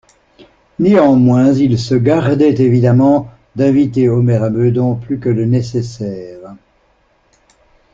Néanmoins il se gardait évidemment d'inviter Omer à Meudon plus que le nécessaire.